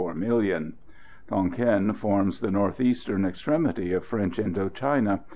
Tonquin forms the north eastern extremity of French Indo China.